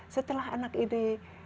setelah anak ini